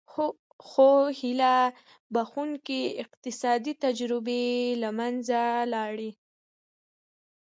خو هیله بښوونکې اقتصادي تجربې له منځه لاړې.